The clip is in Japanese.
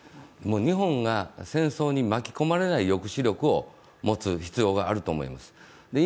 日本が戦争に巻き込まれない抑止力を持つ必要があると思います。